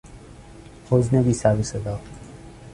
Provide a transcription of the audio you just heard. حزن بی سرو صدا